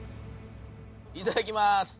いただきます。